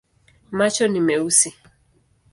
Macho ni meusi.